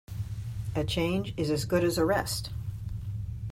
A change is as good as a rest.